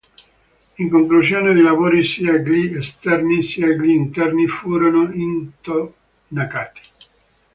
In conclusione dei lavori sia gli esterni sia gli interni furono intonacati.